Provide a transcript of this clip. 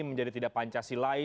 menjadi tidak pancasilai